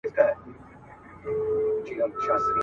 پرون یې بیا له هغه ښاره جنازې وایستې.